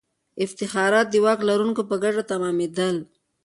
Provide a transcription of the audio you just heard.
افتخارات د واک لرونکو په ګټه تمامېدل.